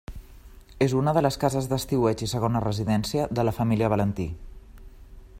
És una de les cases d'estiueig i segona residència de la família Valentí.